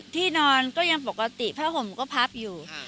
ที่นอนก็ยังปกติผ้าห่มก็พับอยู่